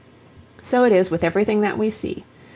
So it is with everything that we see.